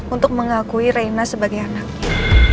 untuk mengakui raina sebagai anaknya